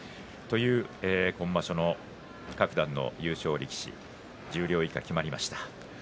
今場所の各段の優勝力士十両以下、決まりました。